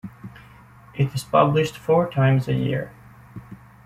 It is published four times a year.